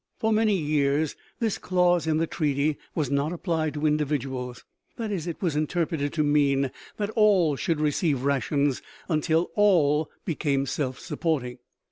For many years this clause in the treaty was not applied to individuals; that is, it was interpreted to mean that all should receive rations until all became self supporting.